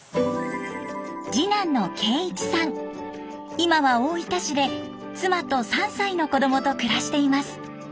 今は大分市で妻と３歳の子供と暮らしています。